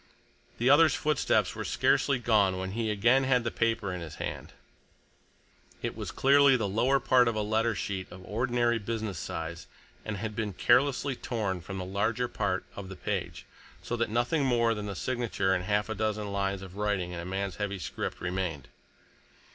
The other's footsteps were scarcely gone when he again had the paper in his hand. It was clearly the lower part of a letter sheet of ordinary business size and had been carelessly torn from the larger part of the page, so that nothing more than the signature and half a dozen lines of writing in a man's heavy script remained.